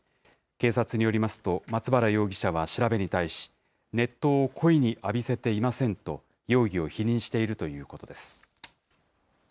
警察によりますと、松原容疑者は調べに対し、熱湯を故意に浴びせていませんと、容疑を否認しているということです。